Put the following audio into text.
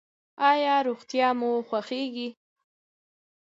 ایا روغتیا مو خوښیږي؟